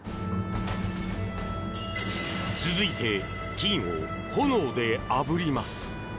続いて、金を炎であぶります。